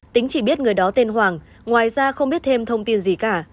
tính chỉ biết người đó tên hoàng ngoài ra không biết thêm thông tin gì cả